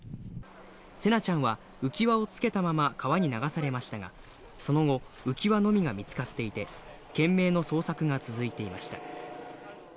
聖凪ちゃんは浮輪をつけたまま川に流されましたが、その後、浮輪のみが見つかっていて、懸命の捜索が続いていました。